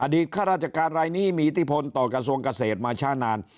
ข้าราชการรายนี้มีอิทธิพลต่อกระทรวงเกษตรมาช้านาน